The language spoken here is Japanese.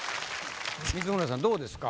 光宗さんどうですか？